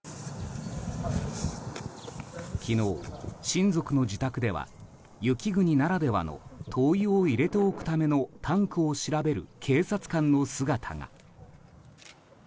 昨日、親族の自宅では雪国ならではの灯油を入れておくためのタンクを調べる警察官の姿が。